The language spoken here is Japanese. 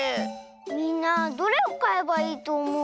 みんなどれをかえばいいとおもう？